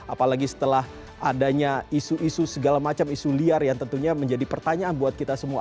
apalagi setelah adanya isu isu segala macam isu liar yang tentunya menjadi pertanyaan buat kita semua